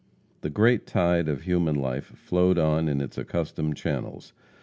The great tide of human life flowed on in its accustomed channels.